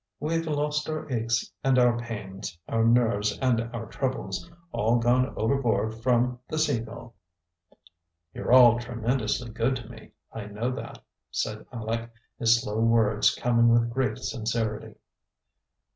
We've lost our aches and our pains, our nerves and our troubles; all gone overboard from the Sea Gull." "You're all tremendously good to me, I know that," said Aleck, his slow words coming with great sincerity.